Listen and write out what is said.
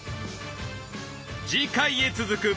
次回へ続く！